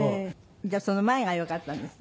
じゃあその前がよかったんですね。